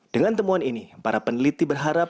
dengan temuan ini para peneliti berharap